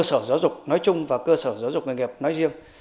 sở giáo dục nói chung và cơ sở giáo dục nghề nghiệp nói riêng